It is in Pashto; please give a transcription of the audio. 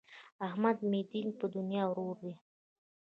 احمد مې دین په دنیا ورور دی.